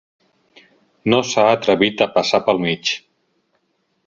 No s'ha atrevit a passar pel mig.